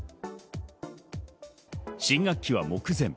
新学期は目前。